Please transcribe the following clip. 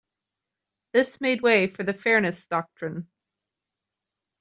This made way for the Fairness Doctrine.